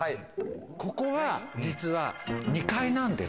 ここは実は２階なんです。